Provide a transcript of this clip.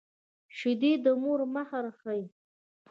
شیدې د مور مهر ښيي